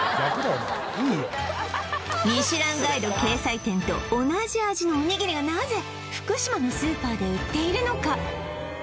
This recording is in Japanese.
お前ミシュランガイド掲載店と同じ味のおにぎりがなぜ福島のスーパーで売っているのか